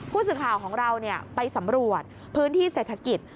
ผู้สื่อข่าวของเราไปสำรวจพื้นที่เศรษฐกิจ